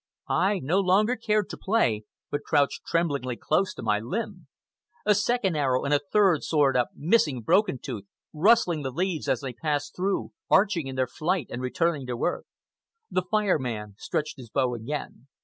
I no longer cared to play, but crouched trembling close to my limb. A second arrow and a third soared up, missing Broken Tooth, rustling the leaves as they passed through, arching in their flight and returning to earth. The Fire Man stretched his bow again.